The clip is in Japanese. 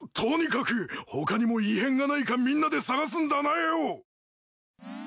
他にも異変がないかみんなで探すんだなよ！